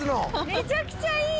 めちゃくちゃいい！